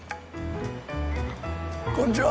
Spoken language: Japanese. こんにちは。